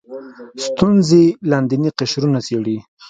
ستونزې لاندیني قشرونه څېړي